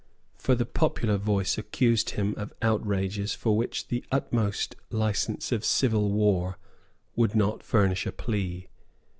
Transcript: For the popular voice accused him of outrages for which the utmost license of civil war would not furnish a plea.